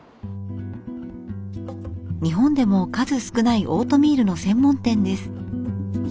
日本でも数少ないオートミールの専門店です。